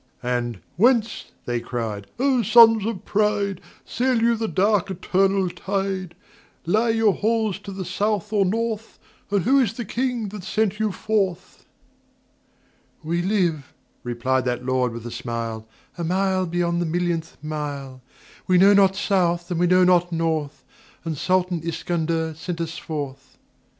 And "Whence," they cried, "O Sons of Pride, Sail you the dark eternal tide? Lie your halls to the South or North, And who is the King that sent you forth?" "We live," replied that Lord with a smile, "A mile beyond the millionth mile. We know not South and we know not North, And SULTAN ISKANDER sent us forth."